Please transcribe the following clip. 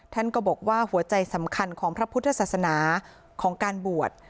ท่านก็บอกว่าหัวใจสำคัญของพระพุทธศาสนาของการบวช